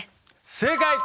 正解！